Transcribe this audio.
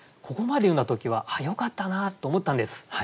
ここまで読んだ時はああよかったなと思ったんです。